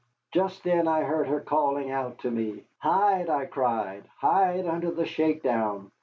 Just then I heard her calling out to me. "Hide!" I cried, "hide under the shake down!